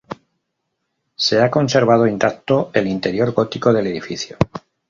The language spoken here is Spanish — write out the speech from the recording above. Se ha conservado intacto el interior gótico del edificio.